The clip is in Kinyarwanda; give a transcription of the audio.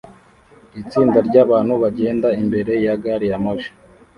Itsinda ryabantu bagenda imbere ya gari ya moshi